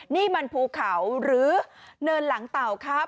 นี่มันภูเขาหรือเนินหลังเต่าครับ